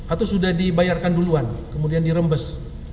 atau sudah dibayarkan duluan kemudian dirembes